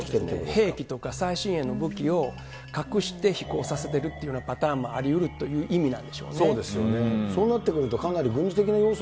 兵器とか最新鋭の武器を隠して飛行させてるっていうパターンもありうるという意味なんでしょうね。